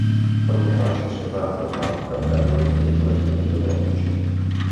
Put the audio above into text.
Ogni fascia è separata dall'altra da elementi decorativi geometrici.